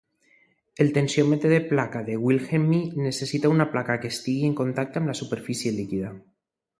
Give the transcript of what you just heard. El tensiòmetre de placa de Wilhelmy necessita una placa que estigui en contacte amb la superfície líquida.